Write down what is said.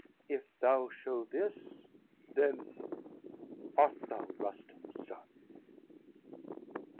If thou show this, then art thou Rustum's son."